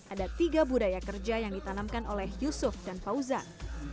ada tiga budaya kerja yang ditanamkan oleh yusuf dan fauzan